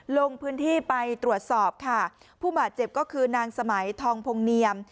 ลงพื้นที่ไปตรวจสอบค่ะผู้บาดเจ็บก็คือนางสมัยทองพงเนียม